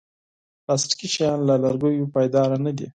پلاستيکي شیان له لرګیو پایداره نه دي.